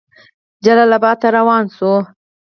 جلال آباد ته روان شو.